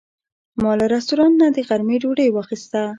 ما له رستورانت نه د غرمې ډوډۍ واخیسته.